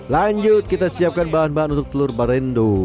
lanjut kita siapkan bahan bahan untuk telur barendo